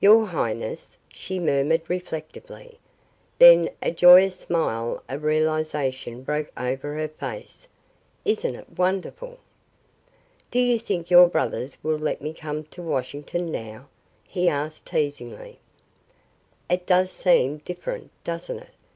"Your highness!" she murmured reflectively. Then a joyous smile of realization broke over her face. "Isn't it wonderful?" "Do you think your brothers will let me come to Washington, now?" he asked teasingly. "It does seem different, doesn't it?"